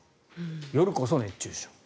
夜こそ熱中症。